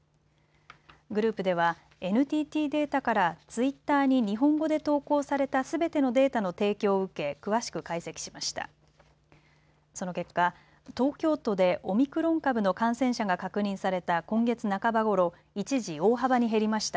グループでは、ＮＴＴデータからツイッターに日本語で投稿されたすべてのデータの提供を受け詳しく解析しました。